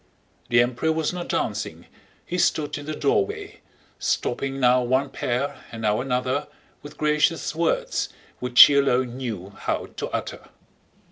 The Emperor was not dancing, he stood in the doorway, stopping now one pair and now another with gracious words which he alone knew how to utter.